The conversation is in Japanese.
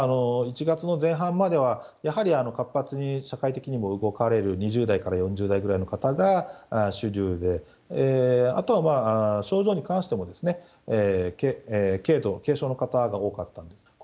１月の前半までは、やはり活発に、社会的にも動かれる２０代から４０代ぐらいの方が主流で、あとは症状に関しても、軽度、軽症の方が多かったんです。